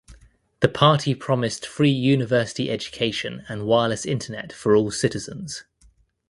The party promised free university education and wireless internet for all citizens.